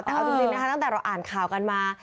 แต่เอาจริงนะคะตั้งแต่เราอ่านข่าวกันมา